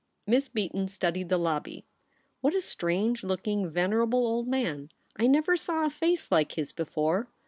Miss Beaton studied the lobby. ' What a strange looking, venerable old man ! I never saw a face like his before.